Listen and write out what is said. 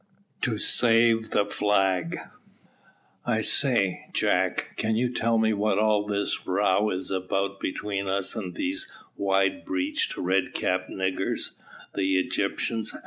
TO SAVE THE FLAG. "I say, Jack, can you tell me what all this row is about between us and these wide breeched, red capped niggers, the Egyptians?"